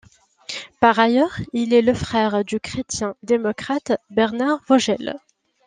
Par ailleurs, il est le frère du chrétien-démocrate Bernhard Vogel.